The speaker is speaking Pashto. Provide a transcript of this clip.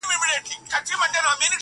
شپه سوه تېره پر اسمان ختلی لمر دی!